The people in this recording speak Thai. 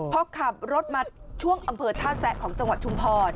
พอขับรถมาช่วงอำเภอท่าแซะของจังหวัดชุมพร